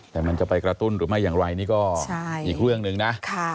แต่มันจะไปกระตุ้นหรือไม่อย่างไรนี่ก็อีกเรื่องหนึ่งนะ